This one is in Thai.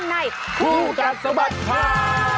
ในคู่กัดสบดขาว